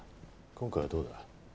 今回はどうだ？